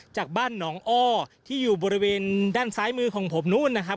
จากบ้านหนองอ้อที่อยู่บริเวณด้านซ้ายมือของผมนู้นนะครับ